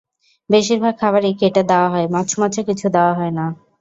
বেশিরভাগ খাবারই কেটে দেয়া হয়, মচমচে কিছু দেয়া হয় না।